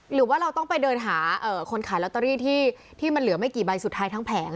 หรือว่าเราต้องไปเดินหาคนขายลอตเตอรี่ที่มันเหลือไม่กี่ใบสุดท้ายทั้งแผง